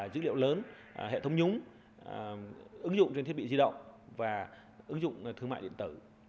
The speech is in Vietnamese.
dữ liệu lớn hệ thống nhúng ứng dụng trên thiết bị di động và ứng dụng thương mại điện tử